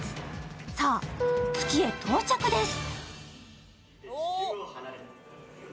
さあ、月へ到着です。